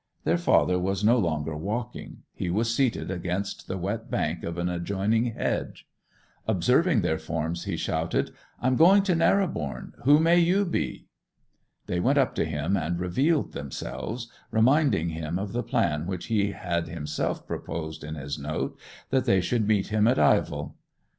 Their father was no longer walking; he was seated against the wet bank of an adjoining hedge. Observing their forms he shouted, 'I'm going to Narrobourne; who may you be?' They went up to him, and revealed themselves, reminding him of the plan which he had himself proposed in his note, that they should meet him at Ivell.